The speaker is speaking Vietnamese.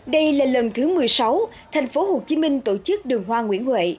đây là lần thứ một mươi sáu thành phố hồ chí minh tổ chức đường hoa nguyễn huệ